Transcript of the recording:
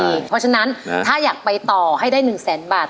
เพราะฉะนั้นถ้าอยากไปต่อให้ได้๑แสนบาท